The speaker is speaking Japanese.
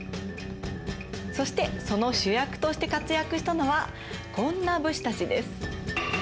そしてその主役として活躍したのはこんな武士たちです。